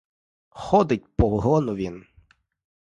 Ходить по вигону він.